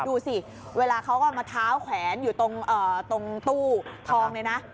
ดูสิเวลาเขาก็มาเท้าแขวนอยู่ตรงตู้ทองเลยนะ